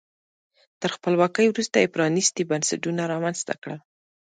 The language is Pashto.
تر خپلواکۍ وروسته یې پرانیستي بنسټونه رامنځته کړل.